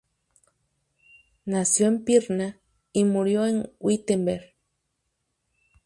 Nació en Pirna, y murió en Wittenberg.